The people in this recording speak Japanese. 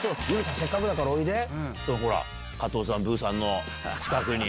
せっかくだからおいで加藤さんブーさんの近くに。